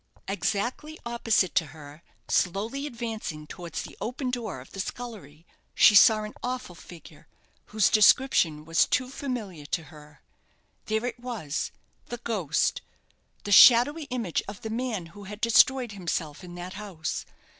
Exactly opposite to her, slowly advancing towards the open door of the scullery, she saw an awful figure whose description was too familiar to her. There it was. The ghost the shadowy image of the man who had destroyed himself in that house.